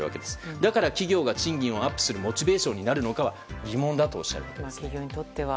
だから企業が賃金をアップするモチベーションになるかは疑問だとおっしゃっています。